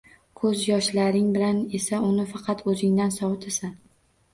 Ko'z yoshlaring bilan esa uni faqat o'zingdan sovitasan